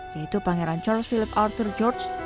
yaitu pangeran charles philip arthur george